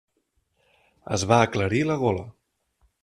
Es va aclarir la gola.